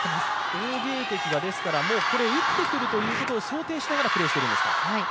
王ゲイ迪が打ってくるということを想定しながらプレーしているんですか？